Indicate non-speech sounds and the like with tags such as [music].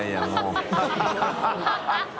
ハハハ [laughs]